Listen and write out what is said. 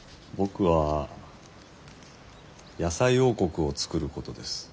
僕は野菜王国を作ることです。